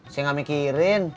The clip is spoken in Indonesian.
saya gak mikirin